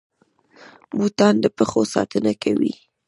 بوټان د پښو ساتنه کوي